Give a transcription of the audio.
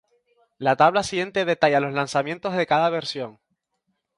La tabla siguiente detalla los lanzamientos de cada versión.